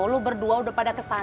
lu berdua udah pada kesedihan